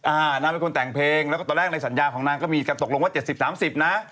อ้าน่าเป็นคนแต่งเพลงแล้วก็ตอนแรกใดสัญญาของนางก็มีการตกลงว่า๗๐๓๐นะ